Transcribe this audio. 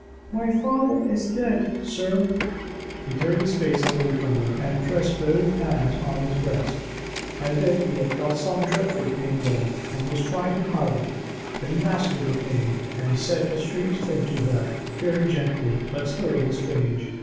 "My father is dead, sir." He turned his face away from her, and pressed both hands on his breast, as if he had felt some dreadful pain there, and was trying to hide it. But he mastered the pain; and he said a strange thing to her very gently, but still it was strange.